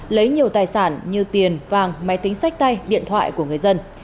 lấy nhiều tài sản như tiền vàng máy tính sách tay điện thoại của người dân